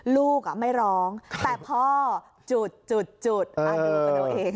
ลูกไม่ร้องแต่พ่อจุดดูกันเอาเอง